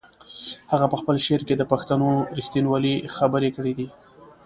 هغه په خپل شعر کې د پښتنو د رښتینولۍ خبرې کړې دي.